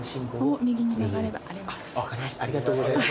ありがとうございます。